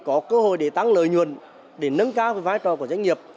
có cơ hội để tăng lợi nhuận để nâng cao vai trò của doanh nghiệp